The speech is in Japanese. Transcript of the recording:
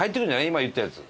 今言ったやつ。